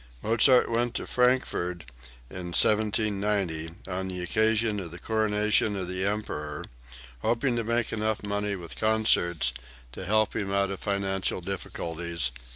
(Mozart went to Frankfort, in 1790, on the occasion of the coronation of the emperor, hoping to make enough money with concerts to help himself out of financial difficulties, but failed.)